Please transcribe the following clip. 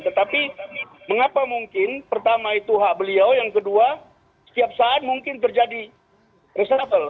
tetapi mengapa mungkin pertama itu hak beliau yang kedua setiap saat mungkin terjadi reshuffle